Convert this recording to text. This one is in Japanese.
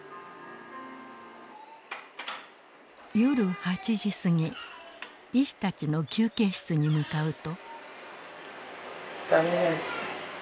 夜８時過ぎ医師たちの休憩室に向かうと。